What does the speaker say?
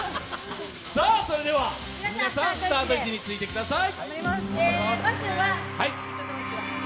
それでは皆さんスタート位置についてください。